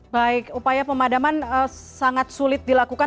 baik upaya pemadaman sangat sulit dilakukan